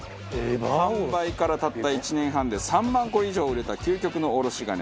販売からたった１年半で３万個以上売れた究極のおろし金。